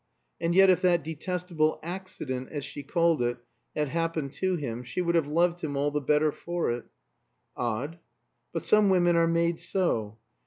And yet if that detestable "accident," as she called it, had happened to him, she would have loved him all the better for it. Odd. But some women are made so.